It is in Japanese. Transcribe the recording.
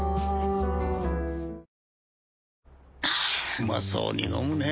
うまそうに飲むねぇ。